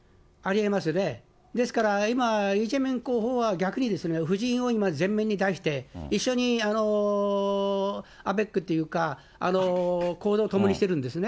ですから今、イ・ジェミョン候補は、逆にですね、夫人を今、前面に出して、一緒に、アベックというか、行動を共にしてるんですね。